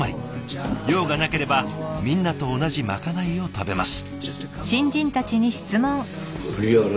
用がなければみんなと同じまかないを食べます。